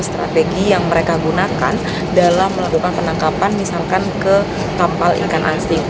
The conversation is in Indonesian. strategi yang mereka gunakan dalam melakukan penangkapan misalkan ke kapal ikan asik